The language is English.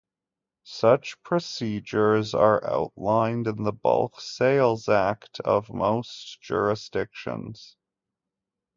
Such procedures are outlined in the bulk sales act of most jurisdictions.